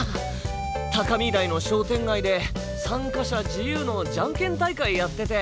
高見台の商店街で参加者自由のじゃんけん大会やってて。